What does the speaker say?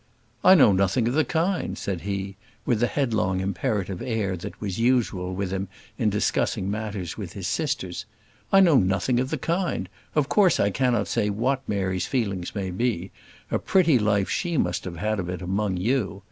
"I know nothing of the kind," said he, with the headlong imperative air that was usual with him in discussing matters with his sisters. "I know nothing of the kind. Of course I cannot say what Mary's feelings may be: a pretty life she must have had of it among you.